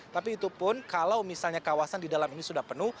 tapi itu pun kalau misalnya kawasan di dalam ini sudah penuh